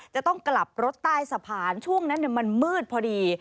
จะต้องกลับรถใต้สะพานช่วงนั้นมันมืดพอดี